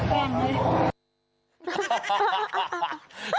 แหวงเลย